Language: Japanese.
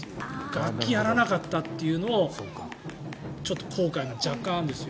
楽器やらなかったというのをちょっと後悔が若干あるんです。